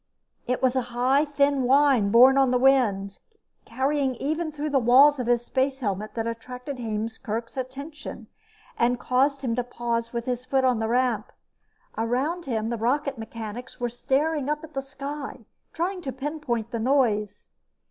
It was a high thin whine borne on the wind, carrying even through the walls of his spacehelmet, that attracted Heemskerk's attention and caused him to pause with his foot on the ramp. Around him, the rocket mechanics were staring up at the sky, trying to pinpoint the noise.